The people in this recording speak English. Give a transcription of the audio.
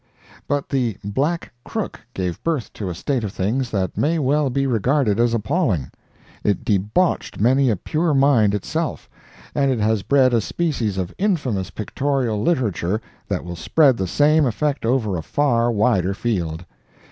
But the "Black Crook" gave birth to a state of things that may well be regarded as appalling. It debauched many a pure mind itself, and it has bred a species of infamous pictorial literature that will spread the same effect over a far wider field.